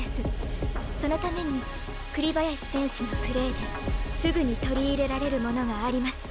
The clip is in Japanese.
そのために栗林選手のプレーですぐに取り入れられるものがあります。